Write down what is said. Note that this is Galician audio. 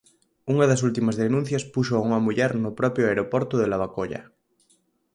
Unha das últimas denuncias púxoa unha muller no propio aeroporto da Lavacolla.